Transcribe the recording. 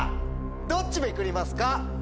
どっちめくりますか？